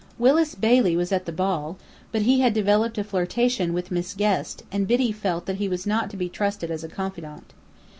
Willis Bailey was at the ball, but he had developed a flirtation with Miss Guest, and Biddy felt that he was not to be trusted as a confidant.